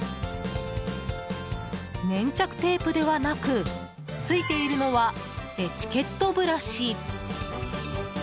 粘着テープではなくついているのはエチケットブラシ。